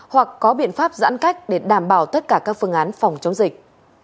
hoặc có biện pháp giãn cách để đảm bảo tất cả các phương án phòng chống dịch